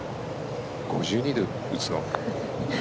５２で打つの？